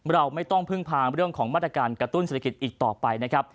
เราไม่ต้องพึ่งพาเรื่องของมาตรการกระตุ้นเศรษฐกิจอีกต่อไปนะครับ